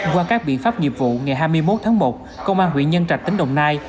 qua các biện pháp nghiệp vụ ngày hai mươi một tháng một công an huyện nhân trạch tỉnh đồng nai